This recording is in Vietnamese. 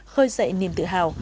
khơi dậy niềm tự hào